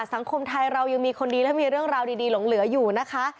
สังคมไทยเรายังมีคนดีและมีเรื่องราวดีหลงเหลืออยู่นะคะ